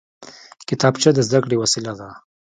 کتابچه د زده کړې وسیله ده